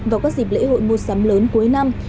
vào các dịp lễ hội mua sắm lớn cuối năm